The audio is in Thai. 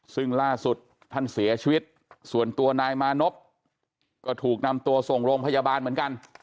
ซึ่งล่าสุดท่านเสียชีวิตส่วนตัวนายมานพก็ถูกนำตัวส่งโรงพยาบาลเหมือนกัน